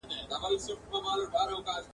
درته موسکی به وي نامرده رقیب !.